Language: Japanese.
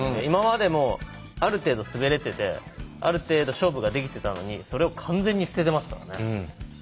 今までもある程度滑れててある程度勝負ができてたのにそれを完全に捨ててますからね。